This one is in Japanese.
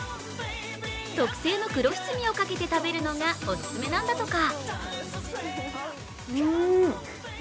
特製の黒七味をかけて食べるのがオススメなんだとか。